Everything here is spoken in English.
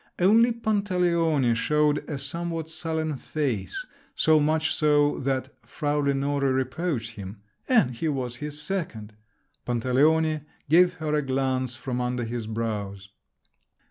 Only Pantaleone showed a somewhat sullen face, so much so that Frau Lenore reproached him. "And he was his second!" Pantaleone gave her a glance from under his brows.